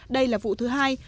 đây là vụ thứ hai